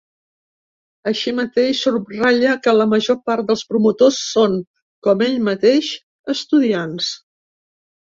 Així mateix, subratlla que la major part dels promotors són, com ell mateix, estudiants.